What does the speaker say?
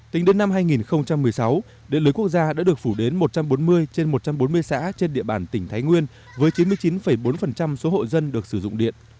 tính đến năm hai nghìn một mươi sáu điện lưới quốc gia đã được phủ đến một trăm bốn mươi trên một trăm bốn mươi xã trên địa bàn tỉnh thái nguyên với chín mươi chín bốn số hộ dân được sử dụng điện